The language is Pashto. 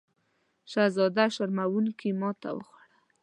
شهزاده شرموونکې ماته وخوړه.